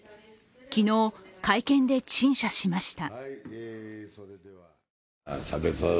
昨日、会見で陳謝しました。